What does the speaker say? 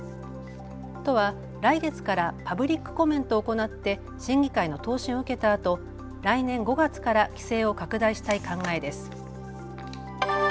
都は来月からパブリックコメントを行って審議会の答申を受けたあと来年５月から規制を拡大したい考えです。